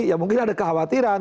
ya mungkin ada kekhawatiran